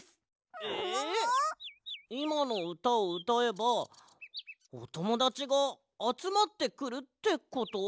いまのうたをうたえばおともだちがあつまってくるってこと？